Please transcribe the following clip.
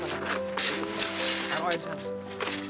memang kayak verlengkapan minggu berikut ini